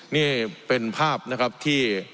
นี่เป็นภาพนะครับที่